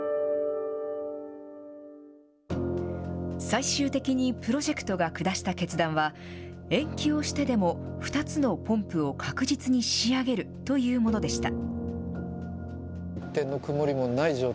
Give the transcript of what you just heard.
最終的にプロジェクトが下した決断は、延期をしてでも２つのポンプを確実に仕上げるというものでした。